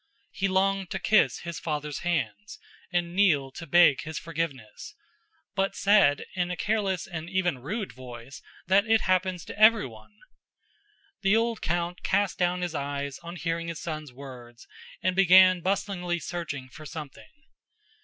He longed to kiss his father's hands and kneel to beg his forgiveness, but said, in a careless and even rude voice, that it happens to everyone! The old count cast down his eyes on hearing his son's words and began bustlingly searching for something.